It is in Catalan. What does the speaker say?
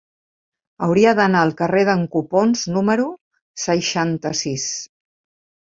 Hauria d'anar al carrer d'en Copons número seixanta-sis.